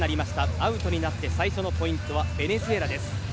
アウトになって最初のポイントはベネズエラです。